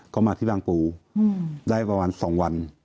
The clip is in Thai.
ก็มาที่บางปูได้ประมาณ๒วัน